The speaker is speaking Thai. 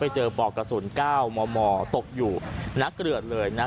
เจอปอกกระสุน๙มมตกอยู่นักเกลือดเลยนะ